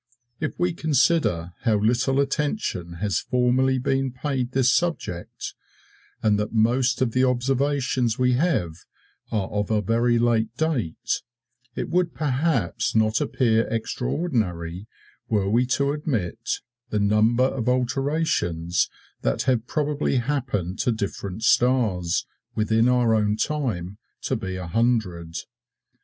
If we consider how little attention has formerly been paid this subject, and that most of the observations we have are of a very late date, it would perhaps not appear extraordinary were we to admit the number of alterations that have probably happened to different stars, within our own time, to be a hundred.